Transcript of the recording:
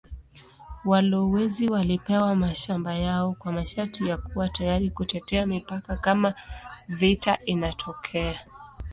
Walowezi walipewa mashamba yao kwa masharti ya kuwa tayari kutetea mipaka kama vita inatokea.